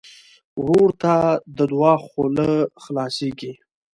ورور ته د دعا خوله خلاصيږي.